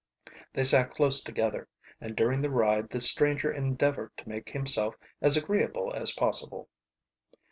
They sat close together, and during the ride the stranger endeavored to make himself as agreeable as possible.